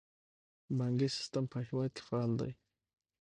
بانکي سیستم په هیواد کې فعال دی